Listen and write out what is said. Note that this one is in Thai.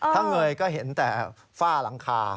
ถ้าเงยก็เห็นแต่ฝ้าหลังคา